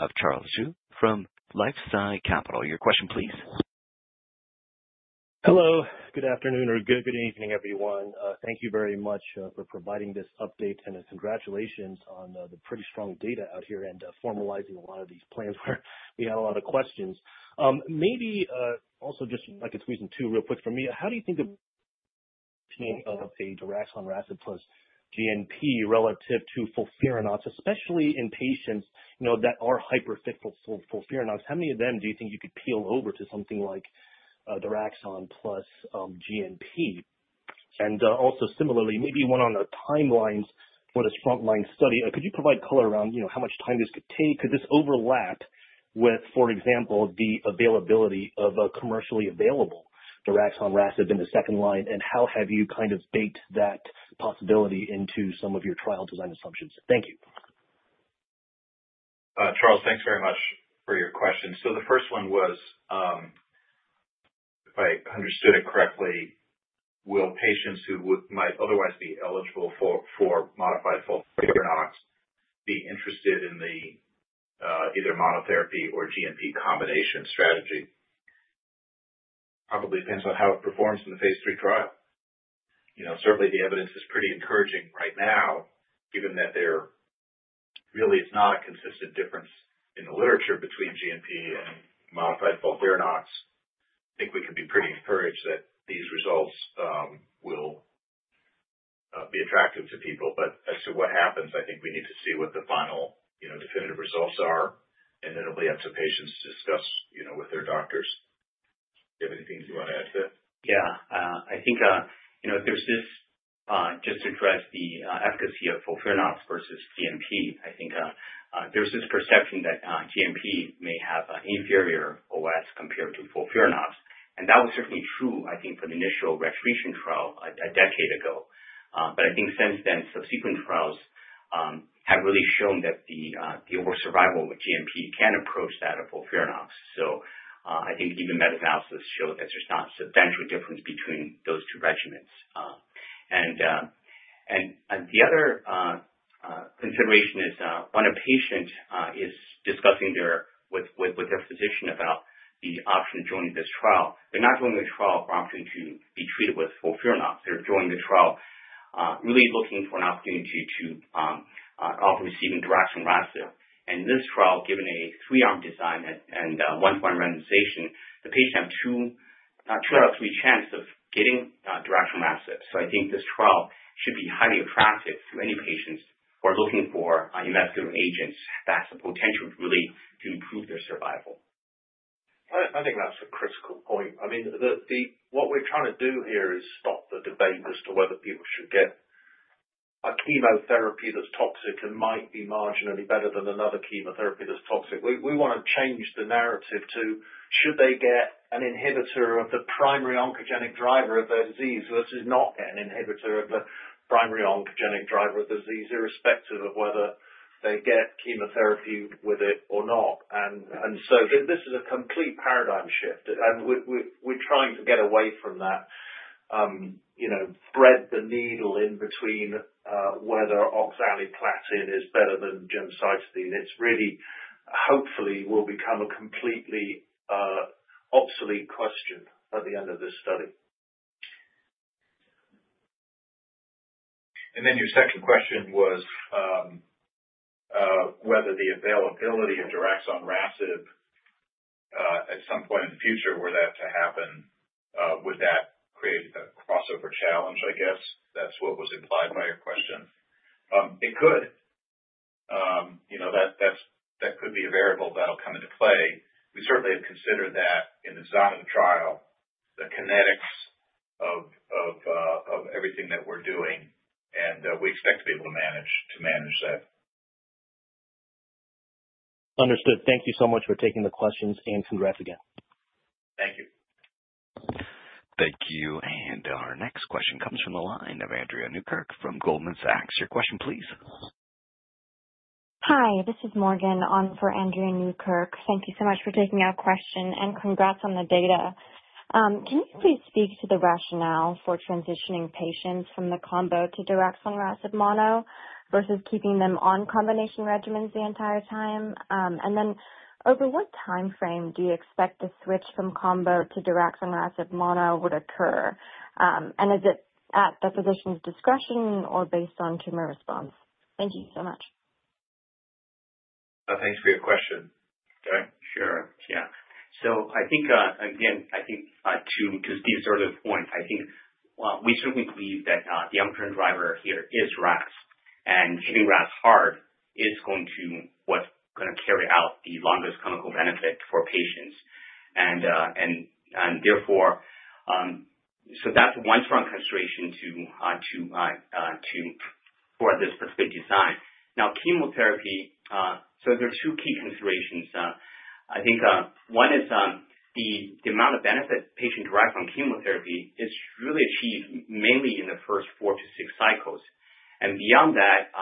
of Charles Zhu from LifeSci Capital. Your question, please. Hello. Good afternoon or good evening, everyone. Thank you very much for providing this update and congratulations on the pretty strong data out here and formalizing a lot of these plans where we had a lot of questions. Maybe also just like teasing out two real quick from me. How do you think the timing of a Daraxonrasib plus GnP relative to FOLFIRINOX, especially in patients that are hyperfit for FOLFIRINOX? How many of them do you think you could pull over to something like Daraxonrasib plus GnP? And also similarly, maybe one on the timelines for this front-line study. Could you provide color around how much time this could take? Could this overlap with, for example, the availability of a commercially available Daraxonrasib in the second line? And how have you kind of baked that possibility into some of your trial design assumptions? Thank you. Charles, thanks very much for your question. So the first one was, if I understood it correctly, will patients who might otherwise be eligible for modified FOLFIRINOX be interested in the either monotherapy or GnP combination strategy? Probably depends on how it performs in the phase III trial. Certainly, the evidence is pretty encouraging right now, given that there really is not a consistent difference in the literature between GnP and modified FOLFIRINOX. I think we can be pretty encouraged that these results will be attractive to people. But as to what happens, I think we need to see what the final definitive results are. And then it'll be up to patients to discuss with their doctors. Do you have anything you want to add to that? Yeah. I think this is just to address the efficacy of FOLFIRINOX versus GnP. I think there's this perception that GnP may have an inferior OS compared to FOLFIRINOX, and that was certainly true, I think, for the initial registration trial a decade ago, but I think since then, subsequent trials have really shown that the overall survival with GnP can approach that of FOLFIRINOX, so I think even meta-analysis showed that there's not a substantial difference between those two regimens, and the other consideration is when a patient is discussing with their physician about the option of joining this trial, they're not joining the trial for an opportunity to be treated with FOLFIRINOX. They're joining the trial really looking for an opportunity to offer receiving Daraxonrasib, and in this trial, given a three-arm design and one-to-one randomization, the patient has two out of three chances of getting Daraxonrasib. I think this trial should be highly attractive to any patients who are looking for investigative agents that have the potential really to improve their survival. I think that's a critical point. I mean, what we're trying to do here is stop the debate as to whether people should get a chemotherapy that's toxic and might be marginally better than another chemotherapy that's toxic. We want to change the narrative to should they get an inhibitor of the primary oncogenic driver of their disease versus not get an inhibitor of the primary oncogenic driver of the disease, irrespective of whether they get chemotherapy with it or not. And so this is a complete paradigm shift. And we're trying to get away from that, thread the needle in between whether oxaliplatin is better than gemcitabine. It's really, hopefully, will become a completely obsolete question at the end of this study. And then your second question was whether the availability of Daraxonrasib at some point in the future, were that to happen, would that create a crossover challenge, I guess? That's what was implied by your question. It could. That could be a variable that'll come into play. We certainly have considered that in the design of the trial, the kinetics of everything that we're doing. And we expect to be able to manage that. Understood. Thank you so much for taking the questions. And congrats again. Thank you. Thank you. And our next question comes from the line of Andrea Newkirk from Goldman Sachs. Your question, please. Hi. This is Morgan on for Andrea Newkirk. Thank you so much for taking our question. And congrats on the data. Can you please speak to the rationale for transitioning patients from the combo to Daraxonrasib mono versus keeping them on combination regimens the entire time? And then over what timeframe do you expect the switch from combo to Daraxonrasib mono would occur? And is it at the physician's discretion or based on tumor response? Thank you so much. Thanks for your question. Okay. Sure. Yeah, so I think, again, I think to these earlier points, I think we certainly believe that the underlying driver here is RAS, and treating RAS hard is going to what's going to carry out the longest clinical benefit for patients. And therefore, so that's one strong consideration for this particular design. Now, chemotherapy, so there are two key considerations. I think one is the amount of benefit patients derive from chemotherapy is really achieved mainly in the first four to six cycles. And beyond that,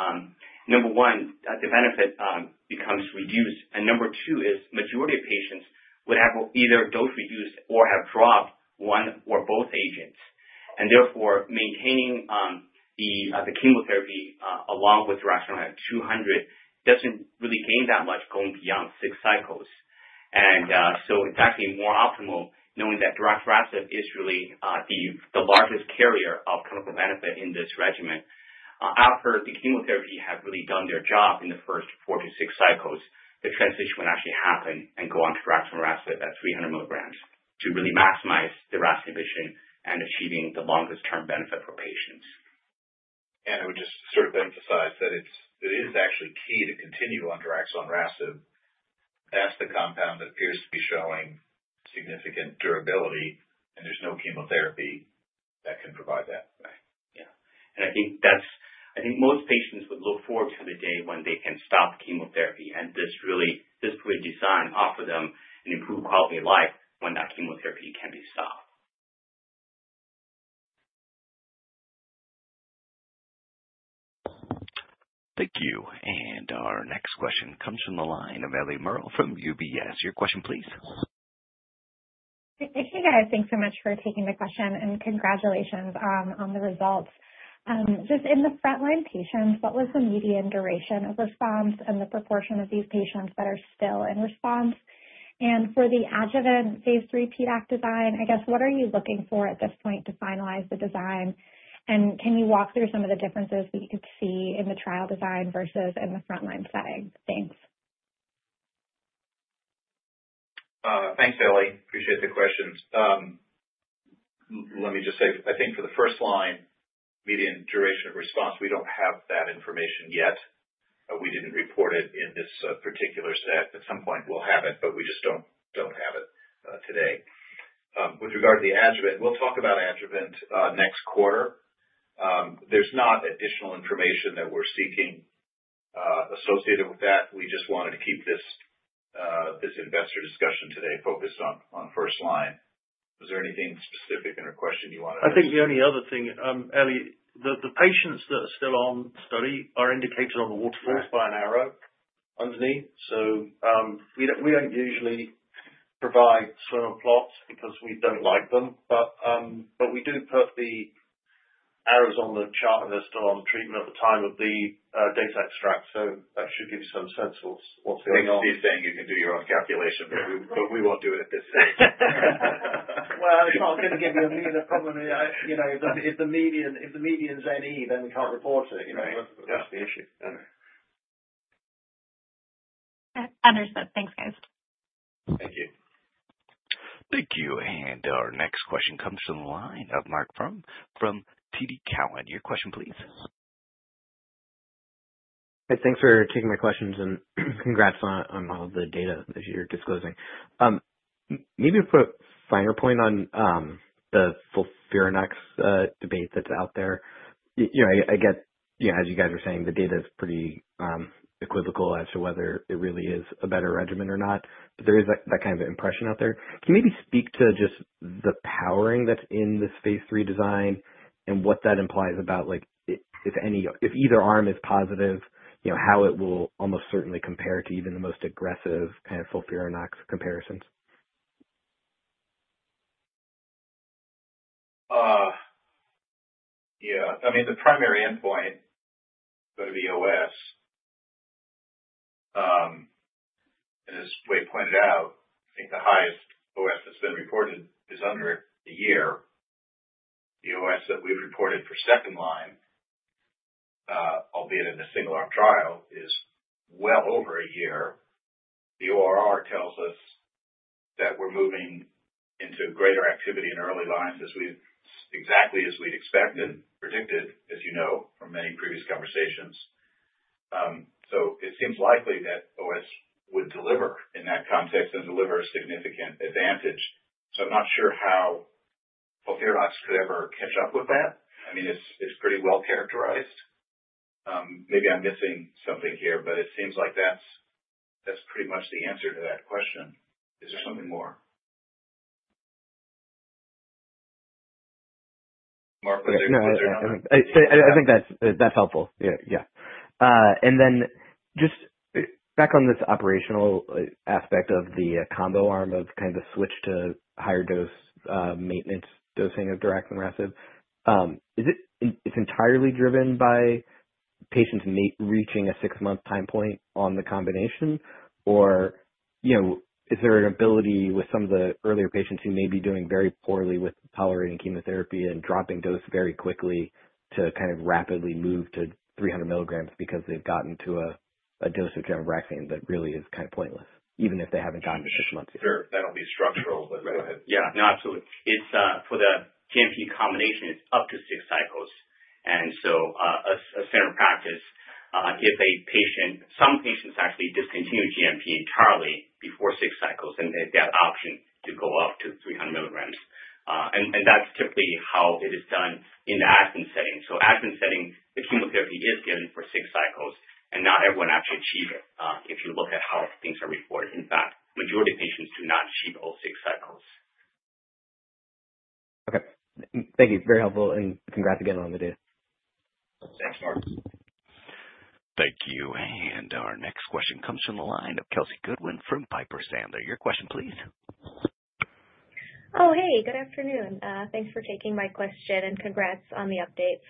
number one, the benefit becomes reduced. And number two is majority of patients would have either dose-reduced or have dropped one or both agents. And therefore, maintaining the chemotherapy along with Daraxonrasib 200 doesn't really gain that much going beyond six cycles. And so it's actually more optimal knowing that Daraxonrasib is really the largest carrier of clinical benefit in this regimen. After the chemotherapy had really done their job in the first four to six cycles, the transition would actually happen and go on to Daraxonrasib at 300 milligrams to really maximize the RAS inhibition and achieving the longest-term benefit for patients. And I would just sort of emphasize that it is actually key to continue on Daraxonrasib. That's the compound that appears to be showing significant durability. And there's no chemotherapy that can provide that. Yeah. I think most patients would look forward to the day when they can stop chemotherapy. This really is the design offered them an improved quality of life when that chemotherapy can be stopped. Thank you. Our next question comes from the line of Ellie Merle from UBS. Your question, please. Hey, guys. Thanks so much for taking the question. Congratulations on the results. Just in the first-line patients, what was the median duration of response and the proportion of these patients that are still in response? For the adjuvant phase III PDAC design, I guess, what are you looking for at this point to finalize the design? Can you walk through some of the differences that you could see in the trial design versus in the first-line setting? Thanks. Thanks, Ellie. Appreciate the questions. Let me just say, I think for the first line, median duration of response, we don't have that information yet. We didn't report it in this particular set. At some point, we'll have it, but we just don't have it today. With regard to the adjuvant, we'll talk about adjuvant next quarter. There's not additional information that we're seeking associated with that. We just wanted to keep this investor discussion today focused on first line. Was there anything specific in a question you wanted to ask? I think the only other thing, Ellie, the patients that are still on study are indicated on the waterfalls by an arrow underneath. So we don't usually provide swimmer plots because we don't like them. But we do put the arrows on the chart if they're still on treatment at the time of the data extract. That should give you some sense of. What's going on. He's saying you can do your own calculation, but we won't do it at this stage. Well, it's not going to give you a median, probably. If the median's NE, then we can't report it. That's the issue. Understood. Thanks, guys. Thank you. Thank you. Our next question comes from the line of Marc Frahm from TD Cowen. Your question, please. Thanks for taking my questions. And congrats on all the data that you're disclosing. Maybe a final point on the FOLFIRINOX debate that's out there. I guess, as you guys were saying, the data is pretty equivocal as to whether it really is a better regimen or not. But there is that kind of impression out there. Can you maybe speak to just the powering that's in this phase III design and what that implies about if either arm is positive, how it will almost certainly compare to even the most aggressive kind of FOLFIRINOX comparisons? Yeah. I mean, the primary endpoint for the OS, as we pointed out, I think the highest OS that's been reported is under a year. The OS that we've reported for second line, albeit in a single-arm trial, is well over a year. The ORR tells us that we're moving into greater activity in early lines exactly as we'd expected, predicted, as you know from many previous conversations. So it seems likely that OS would deliver in that context and deliver a significant advantage. So I'm not sure how FOLFIRINOX could ever catch up with that. I mean, it's pretty well characterized. Maybe I'm missing something here, but it seems like that's pretty much the answer to that question. Is there something more? Marc was there? No. I think that's helpful. Yeah. And then just back on this operational aspect of the combo arm of kind of the switch to higher dose maintenance dosing of Daraxonrasib, is it entirely driven by patients reaching a six-month time point on the combination? Or is there an ability with some of the earlier patients who may be doing very poorly with tolerating chemotherapy and dropping dose very quickly to kind of rapidly move to 300 milligrams because they've gotten to a dose of gemcitabine that really is kind of pointless, even if they haven't gotten to six months yet? Sure. That'll be structural, but go ahead. Yeah. For the GnP combination, it's up to six cycles. And so standard of practice, if some patients actually discontinue GnP entirely before six cycles, then they have the option to go up to 300 milligrams. And that's typically how it is done in the adjuvant setting. So adjuvant setting, the chemotherapy is given for six cycles, and not everyone actually achieves it if you look at how things are reported. In fact, majority of patients do not achieve all six cycles. Okay. Thank you. Very helpful. And congrats again on the data. Thanks, Marc. Thank you. And our next question comes from the line of Kelsey Goodwin from Piper Sandler. Your question, please. Oh, hey. Good afternoon. Thanks for taking my question. And congrats on the update.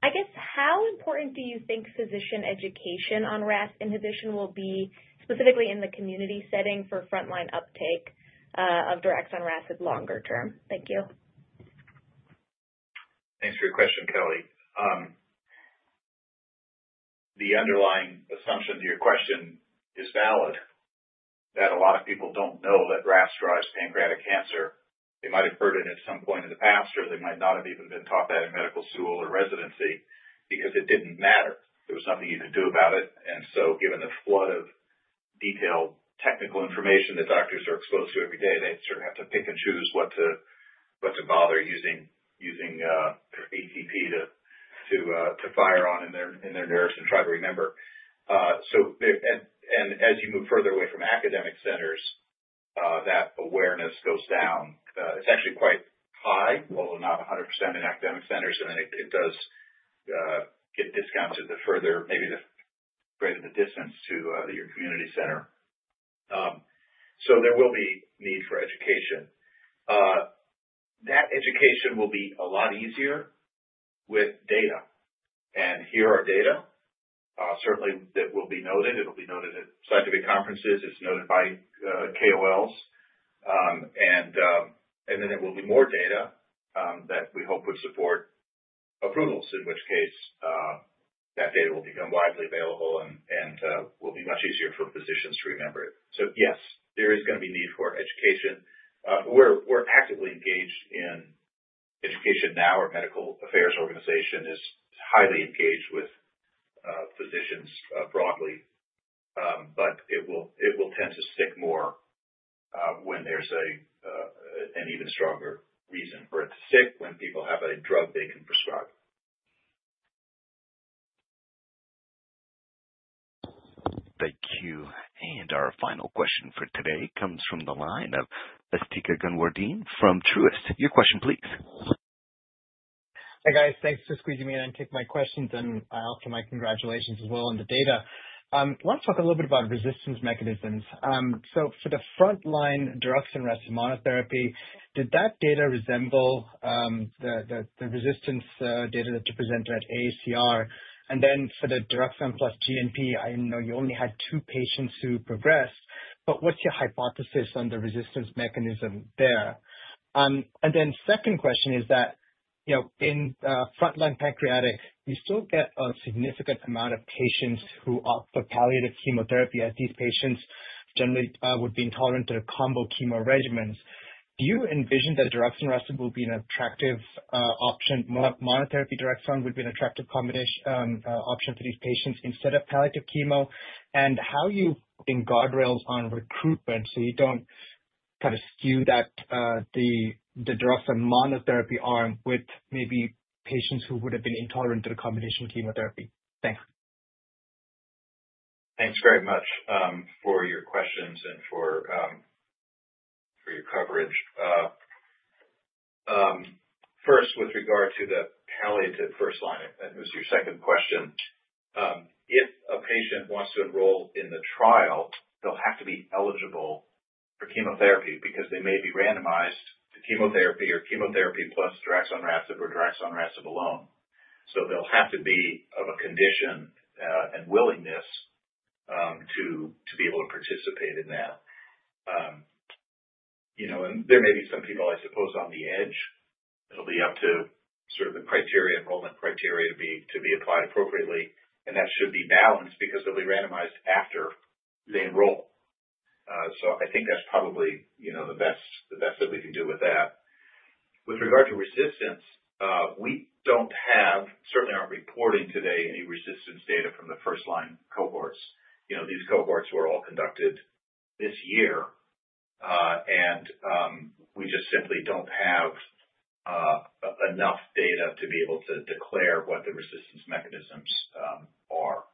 I guess, how important do you think physician education on RAS inhibition will be, specifically in the community setting for front-line uptake of Daraxonrasib longer term? Thank you. Thanks for your question, Kelsey. The underlying assumption to your question is valid, that a lot of people don't know that RAS drives pancreatic cancer. They might have heard it at some point in the past, or they might not have even been taught that in medical school or residency because it didn't matter. There was nothing you could do about it, and so given the flood of detailed technical information that doctors are exposed to every day, they sort of have to pick and choose what to bother using their ATP to fire on in their nerves and try to remember, and as you move further away from academic centers, that awareness goes down. It's actually quite high, although not 100% in academic centers, and then it does get discounted the further, maybe the greater the distance to your community center, so there will be need for education. That education will be a lot easier with data. And here are data, certainly, that will be noted. It'll be noted at scientific conferences. It's noted by KOLs. And then there will be more data that we hope would support approvals, in which case that data will become widely available and will be much easier for physicians to remember it. So yes, there is going to be need for education. We're actively engaged in education now. Our medical affairs organization is highly engaged with physicians broadly. But it will tend to stick more when there's an even stronger reason for it to stick when people have a drug they can prescribe. Thank you. And our final question for today comes from the line of Asthika Goonewardene from Truist. Your question, please. Hey, guys. Thanks for squeezing me in and taking my questions. And I offer my congratulations as well on the data. Let's talk a little bit about resistance mechanisms. So for the front-line Daraxonrasib monotherapy, did that data resemble the resistance data that you presented at AACR? And then for the Daraxon plus GnP, I know you only had two patients who progressed. But what's your hypothesis on the resistance mechanism there? And then second question is that in front-line pancreatic, you still get a significant amount of patients who opt for palliative chemotherapy as these patients generally would be intolerant to combo chemo regimens. Do you envision that Daraxonrasib will be an attractive option? Monotherapy Daraxon would be an attractive option for these patients instead of palliative chemo? And how are you putting guardrails on recruitment so you don't kind of skew the Daraxon monotherapy arm with maybe patients who would have been intolerant to the combination chemotherapy? Thanks. Thanks very much for your questions and for your coverage. First, with regard to the palliative first line, it was your second question. If a patient wants to enroll in the trial, they'll have to be eligible for chemotherapy because they may be randomized to chemotherapy or chemotherapy plus Daraxonrasib or Daraxonrasib alone, so they'll have to be of a condition and willingness to be able to participate in that, and there may be some people, I suppose, on the edge. It'll be up to sort of the criteria, enrollment criteria to be applied appropriately, and that should be balanced because they'll be randomized after they enroll, so I think that's probably the best that we can do with that. With regard to resistance, we don't have, certainly aren't reporting today, any resistance data from the first-line cohorts. These cohorts were all conducted this year. And we just simply don't have enough data to be able to declare what the resistance mechanisms are.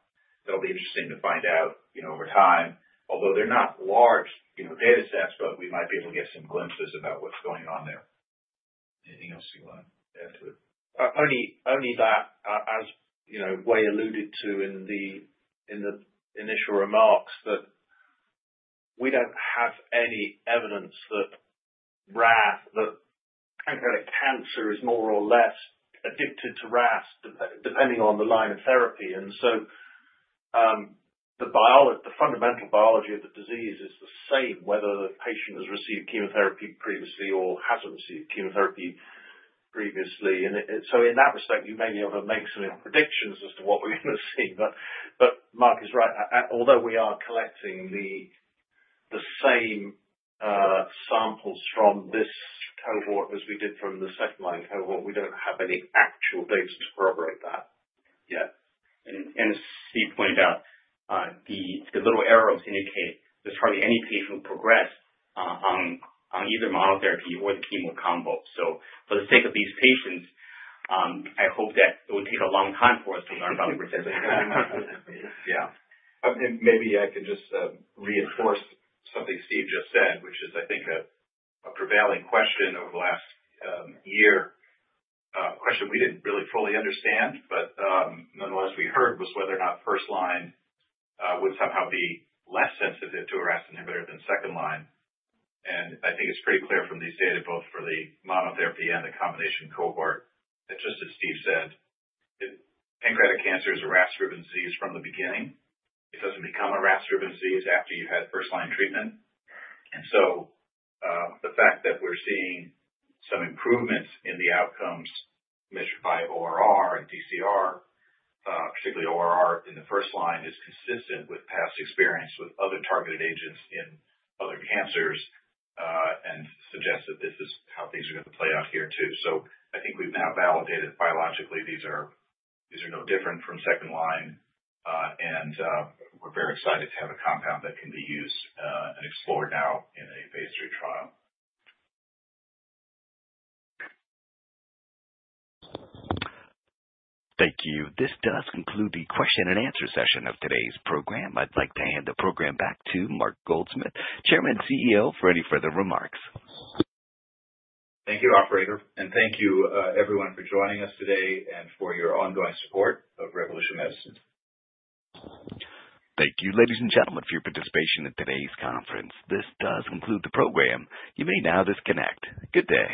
It'll be interesting to find out over time. Although they're not large data sets, but we might be able to get some glimpses about what's going on there. Anything else you want to add to it? Only that, as Wei alluded to in the initial remarks, that we don't have any evidence that pancreatic cancer is more or less addicted to RAS depending on the line of therapy. And so the fundamental biology of the disease is the same, whether the patient has received chemotherapy previously or hasn't received chemotherapy previously. And so in that respect, you may be able to make some predictions as to what we're going to see. But Mark is right. Although we are collecting the same samples from this cohort as we did from the second-line cohort, we don't have any actual data to corroborate that yet. And as Steve pointed out, the little arrows indicate that hardly any patient will progress on either monotherapy or the chemo combo. So for the sake of these patients, I hope that it would take a long time for us to learn about the resistance. Yeah. And maybe I can just reinforce something Steve just said, which is, I think, a prevailing question over the last year. A question we didn't really fully understand, but nonetheless, we heard was whether or not first line would somehow be less sensitive to a RAS inhibitor than second line. And I think it's pretty clear from these data, both for the monotherapy and the combination cohort, that just as Steve said, pancreatic cancer is a RAS-driven disease from the beginning. It doesn't become a RAS-driven disease after you've had first-line treatment. And so the fact that we're seeing some improvements in the outcomes measured by ORR and DCR, particularly ORR in the first line, is consistent with past experience with other targeted agents in other cancers and suggests that this is how things are going to play out here too. I think we've now validated biologically these are no different from second line. And we're very excited to have a compound that can be used and explored now in a phase III trial. Thank you. This does conclude the question and answer session of today's program. I'd like to hand the program back to Mark Goldsmith, Chairman and CEO, for any further remarks. Thank you, operator, and thank you, everyone, for joining us today and for your ongoing support of Revolution Medicines. Thank you, ladies and gentlemen, for your participation in today's conference. This does conclude the program. You may now disconnect. Good day.